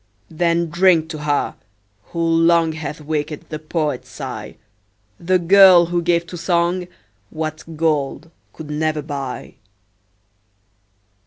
Then drink to her, who long Hath waked the poet's sigh, The girl, who gave to song What gold could never buy.